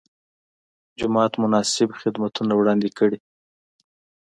جومات مناسب خدمتونه وړاندې کړي.